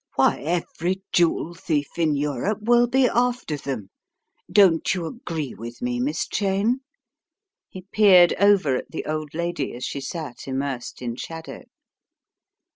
Why, every jewel thief in Europe will be after them, don't you agree with me, Miss Cheyne?" he peered over at the old lady as she sat immersed in shadow.